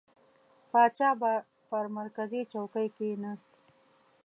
پاچا به پر مرکزي چوکۍ کښېنست.